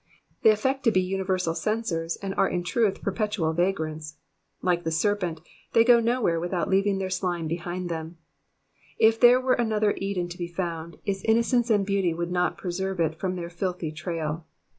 They affect to be universal censors, and are in truth perpetual vagrants. Like the serpent, they go nowhere without leaving their slime behind them ; if there were another Eden to be found, its innocence and beauty would not preserve it from their filthy trail.